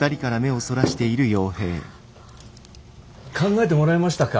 考えてもらえましたか？